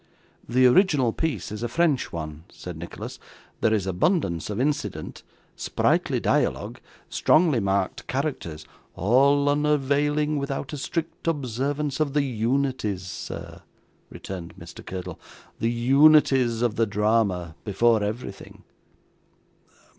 'The original piece is a French one,' said Nicholas. 'There is abundance of incident, sprightly dialogue, strongly marked characters '' All unavailing without a strict observance of the unities, sir,' returned Mr. Curdle. 'The unities of the drama, before everything.